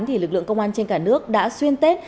thì lực lượng công an trên cả nước đã xuyên tết